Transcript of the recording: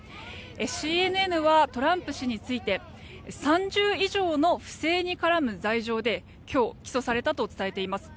ＣＮＮはトランプ氏について３０以上の不正に絡む罪状で今日、起訴されたと伝えています。